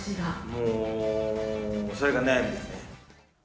もう、それが悩みですね。